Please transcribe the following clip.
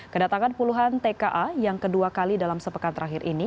kedatangan puluhan tka yang kedua kali dalam sepekan terakhir ini